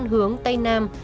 hướng tây nam